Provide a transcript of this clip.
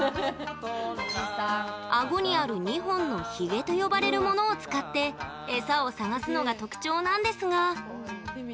アゴにある２本のヒゲと呼ばれるものを使ってエサを探すのが特徴なんですが。